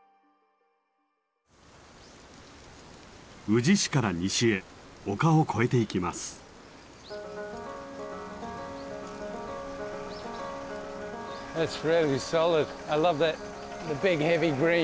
宇治市から西へ丘を越えていきます。